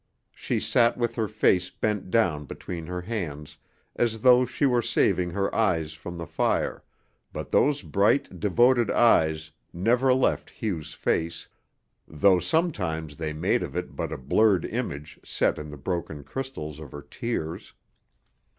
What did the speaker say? She sat with her face bent down between her hands as though she were saving her eyes from the fire, but those bright, devoted eyes never left Hugh's face, though sometimes they made of it but a blurred image set in the broken crystals of her tears.